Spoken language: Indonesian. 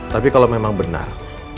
tapi kalau memang benar